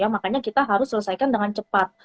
makanya kita harus selesaikan dengan cepat